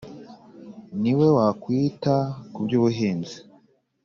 , ni we wakwita ku by’ubuhinzi